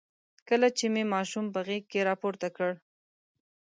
کله چې مې ماشوم په غېږ کې راپورته کړ.